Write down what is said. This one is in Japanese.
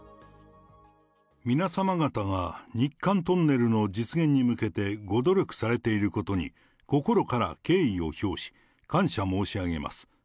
皆様方が日韓トンネルの実現に向けてご努力されていることに、心から敬意を表し、感謝申し上げます。